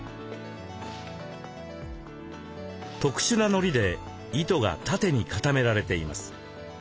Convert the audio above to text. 特殊な糊で糸が縦に固められています。